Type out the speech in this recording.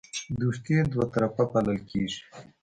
دوستي دوطرفه پالل کیږي